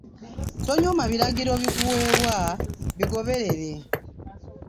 Tonyooma biragiro bikuweebwa, bigoberere.